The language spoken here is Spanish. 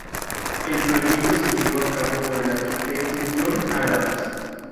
El proyecto se llevó a cabo por el arquitecto John Adams.